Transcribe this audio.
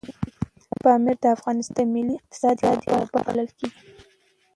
پامیر د افغانستان د ملي اقتصاد یوه برخه بلل کېږي.